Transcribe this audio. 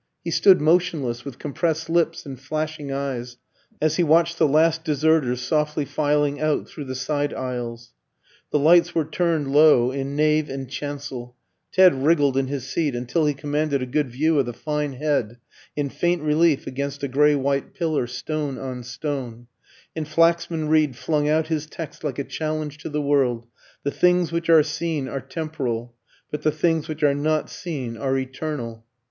He stood motionless, with compressed lips and flashing eyes, as he watched the last deserters softly filing out through the side aisles. The lights were turned low in nave and chancel; Ted wriggled in his seat until he commanded a good view of the fine head, in faint relief against a grey white pillar, stone on stone; and Flaxman Reed flung out his text like a challenge to the world: "The things which are seen are temporal; but the things which are not seen are eternal."